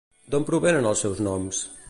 D'on provenen els seus noms?